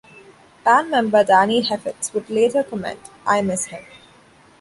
Band member Danny Heifetz would later comment, I miss him.